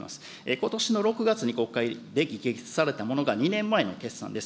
ことしの６月に国会で議決されたものが２年前の決算です。